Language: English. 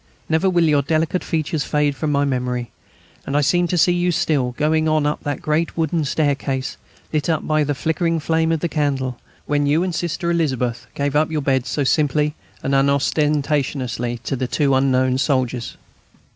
Never will your delicate features fade from my memory. And I seem to see you still, going up the great wooden staircase, lit up by the flickering flame of the candle, when you and Sister Elizabeth gave up your beds so simply and unostentatiously to the two unknown soldiers.